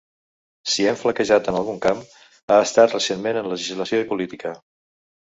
Si hem flaquejat en algun camp, ha estat recentment en legislació i política.